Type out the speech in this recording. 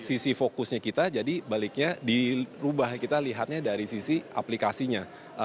sisi fokusnya kita jadi baliknya dirubah kita lihatnya dari sisi aplikasinya